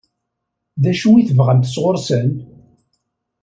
D acu i tebɣamt sɣur-sen?